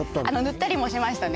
塗ったりもしましたね